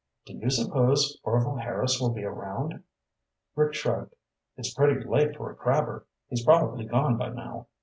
"Do you suppose Orvil Harris will be around?" Rick shrugged. "It's pretty late for a crabber. He's probably gone by now."